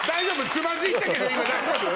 つまずいたけど今大丈夫？